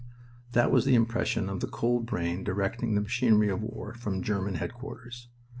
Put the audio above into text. That was the impression of the cold brain directing the machinery of war from German headquarters.